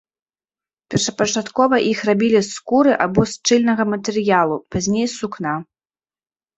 Першапачаткова іх рабілі з скуры або з шчыльнага матэрыялу, пазней з сукна.